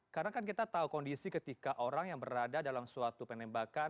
karena kan kita tahu kondisi ketika orang yang berada dalam suatu penembakan